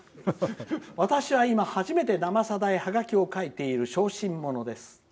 「私は今初めて「生さだ」へハガキを書いている小心者です。